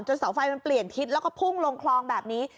เสาไฟมันเปลี่ยนทิศแล้วก็พุ่งลงคลองแบบนี้